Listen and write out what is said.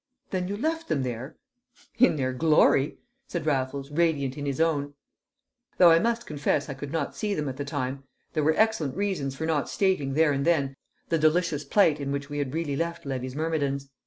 "Then you left them there?" "In their glory!" said Raffles, radiant in his own. Though I must confess I could not see them at the time, there were excellent reasons for not stating there and then the delicious plight in which we had really left Levy's myrmidons.